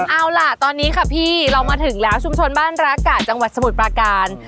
เอาล่ะตอนนี้ค่ะพี่เรามาถึงแล้วชุมชนบ้านรักกะจังหวัดสมุทรปราการ